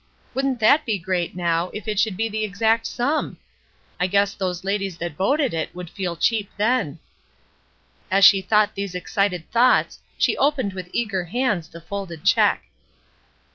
Wouldn't that be great, now, if it should be the exact sum? I guess those ladies that voted it would feel cheap then." As she thought these excited thoughts she opened with eager hands the folded check.